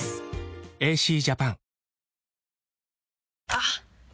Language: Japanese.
あっ！